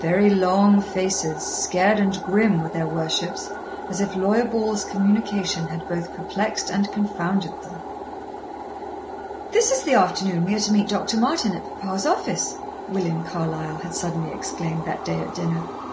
Very long faces, scared and grim, were their worships', as if Lawyer Ball's communication had both perplexed and confounded them. "This is the afternoon we are to meet Dr. Martin at papa's office," William Carlyle had suddenly exclaimed that day at dinner.